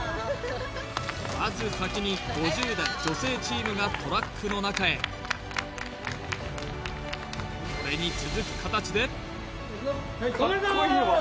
まず先に５０代女性チームがトラックの中へそれに続くかたちで頑張るぞ！